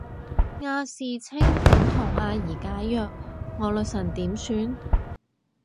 亞視清盤同阿儀解約，我女神點算